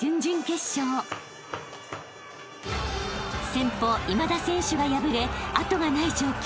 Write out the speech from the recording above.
［先鋒今田選手が敗れ後がない状況］